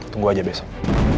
tunggu aja besok